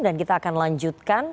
dan kita akan lanjutkan